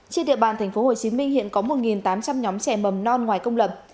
trên địa bàn tp hcm hiện có một tám trăm linh nhóm trẻ mầm non ngoài công lập